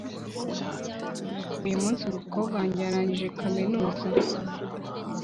uyu munsi, umukobwa wanjye yarangije kaminuza.